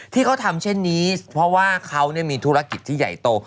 ที่เขาทำเช่นนี้เพราะว่าเขามีธุรกิจที่ใหญ่โต